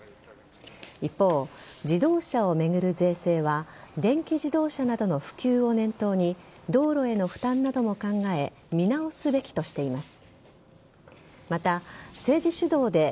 一方、自動車を巡る税制は電気自動車などの普及を念頭に道路への負担なども考え見直すべきとしています。